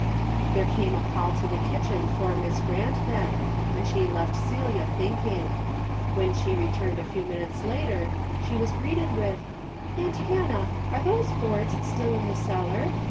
There came a call to the kitchen for Miss Grant then and she left Celia thinking. When she returned a few minutes later she was greeted with " Aunt Hannah, are those boards still in the cellar